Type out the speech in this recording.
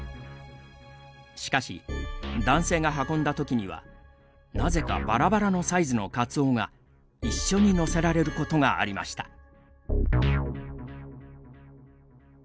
しかし、男性が運んだときにはなぜか、ばらばらのサイズのカツオが一緒に載せられることがありました。